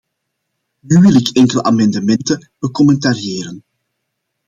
Nu wil ik enkele amendementen becommentariëren.